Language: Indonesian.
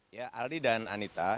ya aldi dan anita